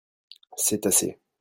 c'est assez.